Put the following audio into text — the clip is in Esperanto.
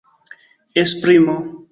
esprimo